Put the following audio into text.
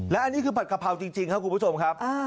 และอันนี้คือผัดกะเพราจริงครับคุณผู้ชมครับ